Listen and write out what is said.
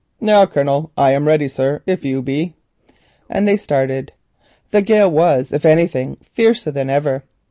"Now, Colonel, I'm ready, sir, if you be;" and they started. The gale was, if anything, fiercer than ever.